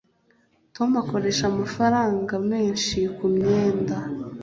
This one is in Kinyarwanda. tom akoresha amafaranga menshi kumyenda